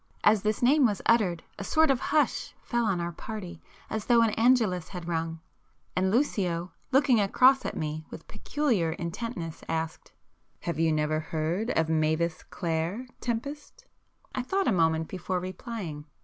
As this name was uttered, a sort of hush fell on our party as though an 'Angelus' had rung; and Lucio looking across at me with peculiar intentness asked, "Have you never heard of Mavis Clare, Tempest?" I thought a moment before replying.